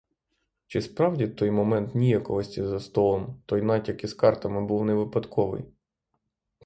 Чи справді той момент ніяковості за столом, той натяк із картами був не випадковий?